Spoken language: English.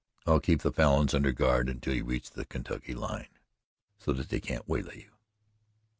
I'll keep the Falins under guard until you reach the Kentucky line, so that they can't waylay you."